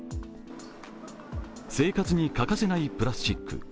生活に欠かせないプラスチック。